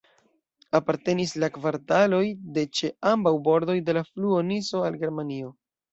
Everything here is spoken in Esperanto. Apartenis la kvartaloj de ĉe ambaŭ bordoj de la fluo Niso al Germanio.